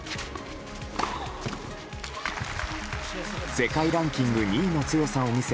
世界ランキング２位の強さを見せ